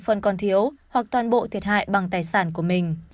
phân con thiếu hoặc toàn bộ thiệt hại bằng tài sản của mình